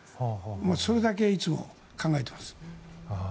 それだけいつも考えています。